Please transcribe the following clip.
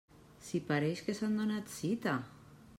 Si pareix que s'han donat cita!